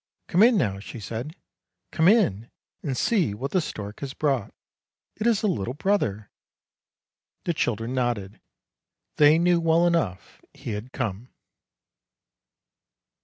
' Come in now,' she said; ' come in and see what the stork has brought; it is a little brother! '" The children nodded, they knew well enough he had come."